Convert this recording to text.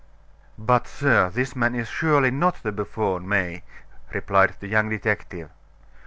"But, sir, this man is surely not the buffoon, May," replied the young detective.